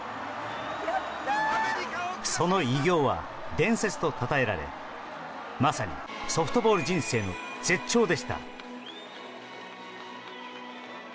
その偉業は伝説とたたえられまさにソフトボール人生の絶頂でした。